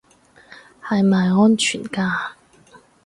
係咪安全㗎